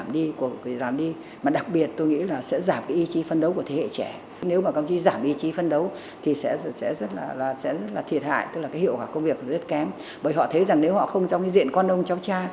đó là cái hiệu quả công việc rất kém bởi họ thấy rằng nếu họ không trong cái diện con ông cháu cha